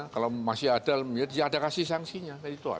kalau masih ada ya ada kasih sanksinya